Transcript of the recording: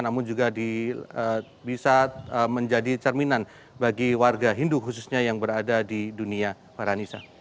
namun juga bisa menjadi cerminan bagi warga hindu khususnya yang berada di dunia farhanisa